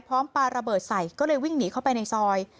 ปลาระเบิดใส่ก็เลยวิ่งหนีเข้าไปในซอย